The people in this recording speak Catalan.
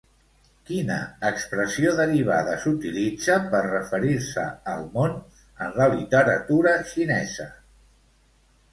Quina expressió derivada s'utilitza per referir-se al món en la literatura xinesa?